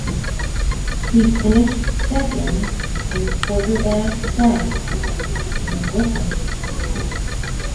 He finished second in quarterback sacks as a rookie.